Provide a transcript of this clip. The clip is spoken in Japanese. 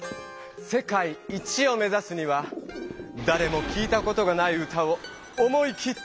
世界一を目ざすにはだれも聞いたことがない歌を思い切って作りましょ。